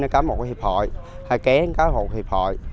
có một hiệp hội hai ké có một hiệp hội